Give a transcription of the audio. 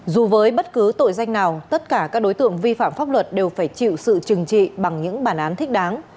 dù với bất cứ tội danh nào tất cả các đối tượng vi phạm pháp luật đều phải chịu sự trừng trị bằng những bản án thích đáng